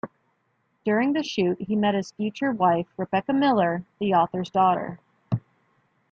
During the shoot he met his future wife, Rebecca Miller, the author's daughter.